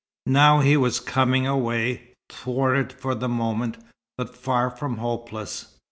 Now he was coming away, thwarted for the moment, but far from hopeless.